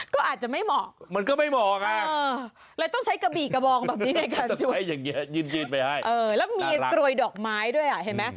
ก็อาจจะไม่เหมาะ